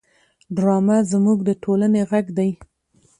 ډرامه زموږ د ټولنې غږ دی